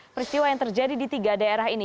peristiwa yang terjadi di tiga daerah ini